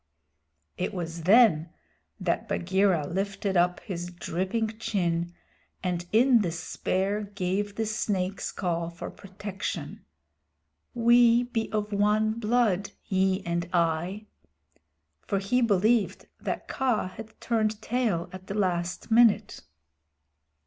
It was then that Bagheera lifted up his dripping chin, and in despair gave the Snake's Call for protection "We be of one blood, ye and I" for he believed that Kaa had turned tail at the last minute.